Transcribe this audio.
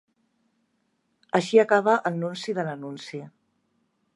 Així acaba el nunci de l'anunci.